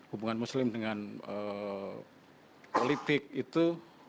hubungan muslim dengan politik itu